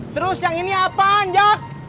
terus yang ini yang apaan ya